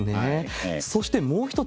そしてもう一つ